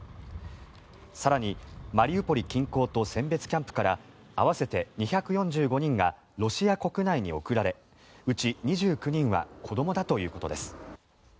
更に、マリウポリ近郊と選別キャンプから合わせて２４５人がロシア国内に送られうち２９人は子どもだということです。